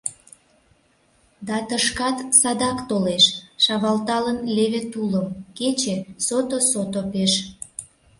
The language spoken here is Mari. Да тышкат садак толеш, шавалталын леве тулым, кече — сото-сото пеш.